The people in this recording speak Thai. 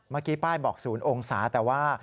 เมื่อกี้ป้ายบอก๐องศาแต่ว่า